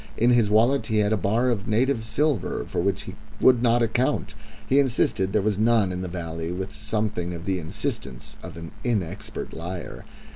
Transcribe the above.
In his wallet he had a bar of native silver for which he would not account; he insisted there was none in the valley with something of the insistence of an inexpert liar.